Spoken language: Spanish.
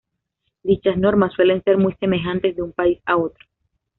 Dichas normas suelen ser muy semejantes de un país a otro.